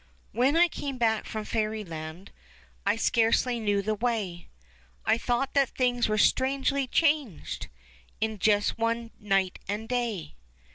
When I came back from fairyland I scarcely knew the way ; I thought that things were strangely changed In just one night and day.